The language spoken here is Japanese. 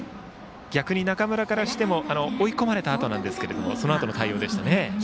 逆に中村からしても追い込まれたあとですがそのあとの対応でしたね。